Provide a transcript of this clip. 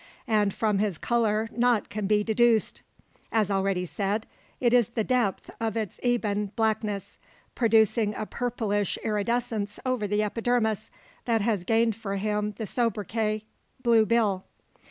And from his colour nought can be deduced. As already said, it is the depth of its ebon blackness, producing a purplish iridescence over the epidermis, that has gained for him the sobriquet "Blue Bill."